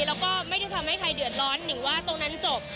แล้วก็ไม่ได้ทำให้ใครเดือดร้อนหนิ่งว่าตรงนั้นจบ